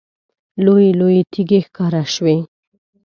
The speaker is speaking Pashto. لویې لویې تیږې ښکاره شوې.